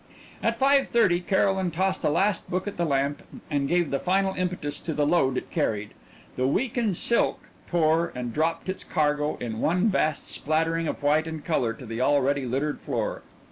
At five thirty Caroline tossed a last book at the lamp, and gave the final impetus to the load it carried. The weakened silk tore and dropped its cargo in one vast splattering of white and color to the already littered floor.